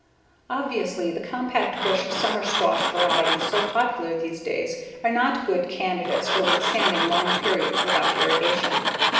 Obviously, the compact bush summer squash varieties so popular these days are not good candidates for withstanding long periods without irrigation.